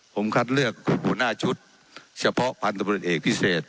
ผมคัดเลือกหัวหน้าชุดเฉพาะพันธบริเอกพิเศษ